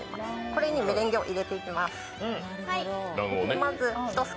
これにメレンゲを入れていきます。